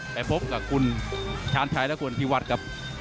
ไปพบกับคุณชาญชัยและคุณพิวัฒน์ครับ